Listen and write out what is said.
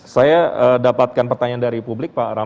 saya dapatkan pertanyaan dari publik pak